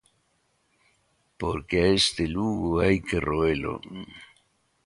Porque a este Lugo hai que roelo.